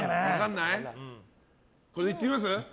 これでいってみます？